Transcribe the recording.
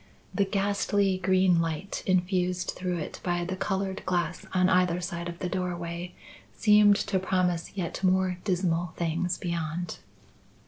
The ghastly green light infused through it by the coloured glass on either side of the doorway seemed to promise yet more dismal things beyond.